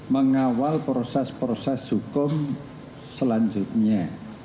mengawal proses proses hukum selanjutnya